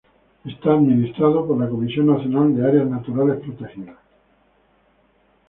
Está administrado por la Comisión Nacional de Áreas Naturales Protegidas.